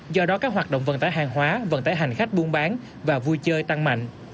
do đó các hoạt động vận tải hàng hóa vận tải hành khách buôn bán và vui chơi tăng mạnh